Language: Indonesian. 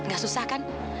gak susah kan